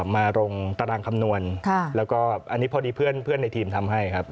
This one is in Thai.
มาลงตารางคำนวณแล้วก็อันนี้พอดีเพื่อนในทีมทำให้ครับ